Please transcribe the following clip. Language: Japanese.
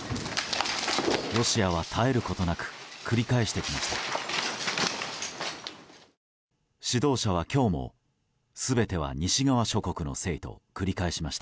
ロシアは絶えることなく繰り返してきました。